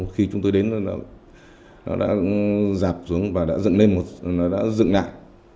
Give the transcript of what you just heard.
khi chúng tôi đến nó đã dạp xuống và đã dựng lại